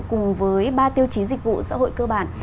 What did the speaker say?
cùng với ba tiêu chí dịch vụ xã hội cơ bản